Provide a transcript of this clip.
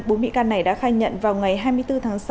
bốn bị can này đã khai nhận vào ngày hai mươi bốn tháng sáu